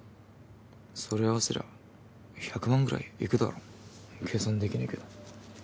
それ合わせりゃ１００万ぐらいいくだろ計算できねぇけど。